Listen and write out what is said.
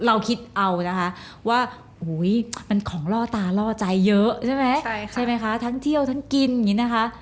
เราคิดเอานะคะว่ามันของล่อตาล่อใจเยอะใช่ไหมใช่ไหมคะทั้งเที่ยวทั้งกินอย่างนี้นะคะ